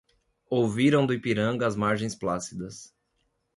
Ouviram do Ipiranga, às margens plácidas